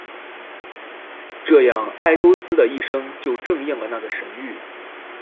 这样埃勾斯的一生就正应了那个神谕。